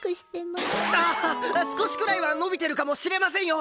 ああっ少しくらいは伸びてるかもしれませんよ！